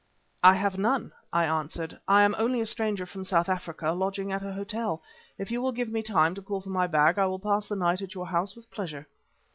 "I have none," I answered. "I am only a stranger from South Africa lodging at an hotel. If you will give me time to call for my bag, I will pass the night at your house with pleasure."